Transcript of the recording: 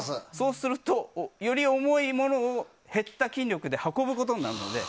より重いものを減った筋力で運ぶことになるので。